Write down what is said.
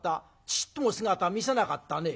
ちっとも姿見せなかったね」。